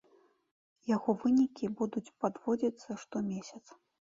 Яго вынікі будуць падводзіцца штомесяц.